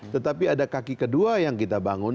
tetapi ada kaki kedua yang kita bangun